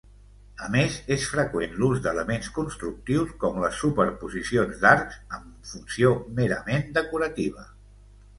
A més, és freqüent l'ús d'elements constructius com les superposicions d'arcs, amb funció merament decorativa.